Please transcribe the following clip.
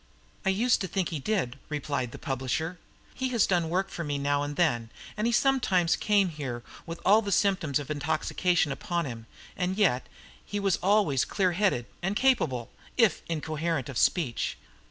"I used to think he did," replied the publisher. "He has done work for me now and then, and he sometimes came here with all the symptoms of intoxication upon him, and yet he was always clear headed and capable, if incoherent of speech.